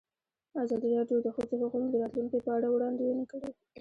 ازادي راډیو د د ښځو حقونه د راتلونکې په اړه وړاندوینې کړې.